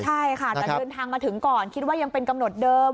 ใช่ค่ะแต่เดินทางมาถึงก่อนคิดว่ายังเป็นกำหนดเดิม